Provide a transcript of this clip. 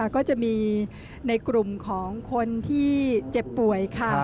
ก็จะมีในกลุ่มของคนที่เจ็บป่วยค่ะ